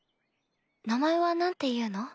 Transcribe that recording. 名前は何ていうの？